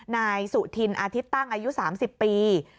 นายสุธินอาทิตย์ตั้งอายุ๓๐ปี